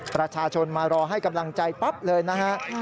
ประชาชนมารอให้กำลังใจปั๊บเลยนะฮะ